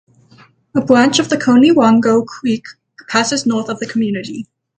A branch of the Conewango Creek passes north of the community.